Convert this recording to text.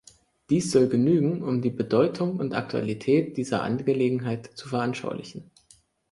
Dies soll genügen, um die Bedeutung und Aktualität dieser Angelegenheit zu veranschaulichen.